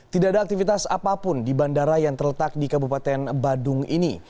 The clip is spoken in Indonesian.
tidak ada aktivitas apapun di bandara yang terletak di kabupaten badung ini